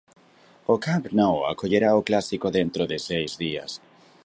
O Camp Nou acollerá o Clásico dentro de seis días.